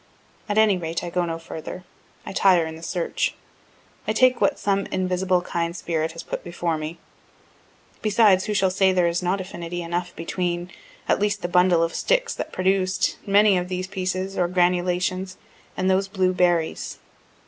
At any rate, I go no further I tire in the search. I take what some invisible kind spirit has put before me. Besides, who shall say there is not affinity enough between (at least the bundle of sticks that produced) many of these pieces, or granulations, and those blue berries?